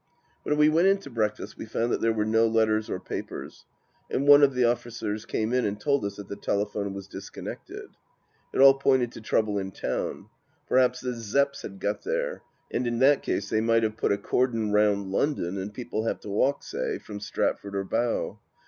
When we went in to breakfast we found that there were no letters or papers, and one of the officers came and told us that the telephone was disconnected. It all pointed to trouble in town. Perhaps the Zepps had got there, and m that case they might have put a cordon round London and people have to walk, say, from Stratford or Bow.